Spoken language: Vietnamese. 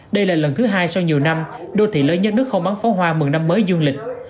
đây là lần thứ hai sau nhiều năm đô thị lớn nhất nước khâu bắn pháo hoa mừng năm mới dương lịch